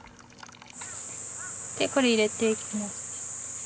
これ入れていきます。